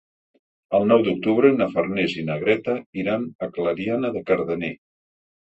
El nou d'octubre na Farners i na Greta iran a Clariana de Cardener.